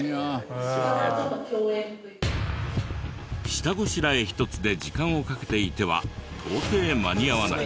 下ごしらえ一つで時間をかけていては到底間に合わない。